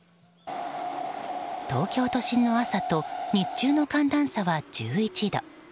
東京都心の朝と日中の寒暖差は１１度。